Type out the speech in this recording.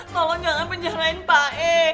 mohon jangan penjarain pak e